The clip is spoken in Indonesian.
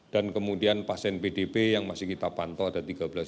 dan kemudian pasien pdb yang masih kita pantau ada tiga belas dua ratus lima puluh